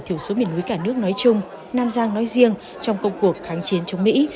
thiểu số miền núi cả nước nói chung nam giang nói riêng trong công cuộc kháng chiến chống mỹ